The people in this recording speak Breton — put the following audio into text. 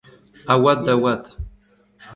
a oad da oad